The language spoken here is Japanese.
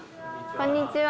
こんにちは。